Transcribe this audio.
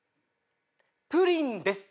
プリンです。